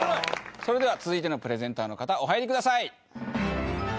それでは続いてのプレゼンターの方お入りください。